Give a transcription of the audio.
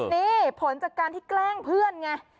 นี่ผลจากการที่แกล้งเพื่อนไง